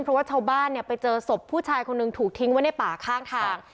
เพราะว่าชาวบ้านเนี่ยไปเจอศพผู้ชายคนหนึ่งถูกทิ้งไว้ในป่าข้างทาง